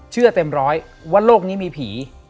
เชื่อเต็มร้อยว่าโลกนี้มีผี